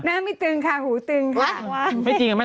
หน้ามีตึงค่ะหูตึงค่ะหวานไว้ค่ะค่ะ